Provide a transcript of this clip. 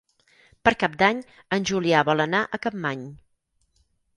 Per Cap d'Any en Julià vol anar a Capmany.